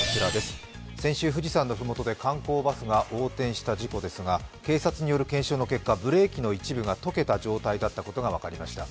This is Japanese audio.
先週富士山のふもとで観光バスが横転した事故ですが警察による検証の結果ブレーキの一部が溶けた状態だったことが分かりました。